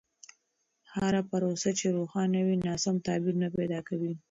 هره پروسه چې روښانه وي، ناسم تعبیر نه پیدا کوي.